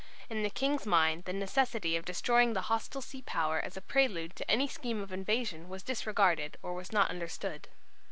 In the King's mind the necessity of destroying the hostile sea power as a prelude to any scheme of invasion was disregarded or was not understood.